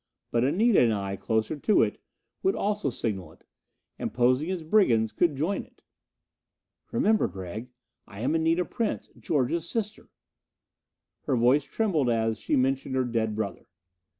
But Anita and I, closer to it, would also signal it and, posing as brigands, could join it! "Remember, Gregg, I am Anita Prince, George's sister." Her voice trembled as, she mentioned her dead brother.